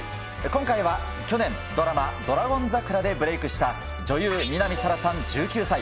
今回は去年、ドラマ、ドラゴン桜でブレークした女優、南沙良さん１９歳。